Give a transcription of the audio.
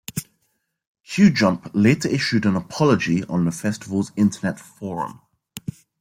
Qjump later issued an apology on the festival's Internet forum.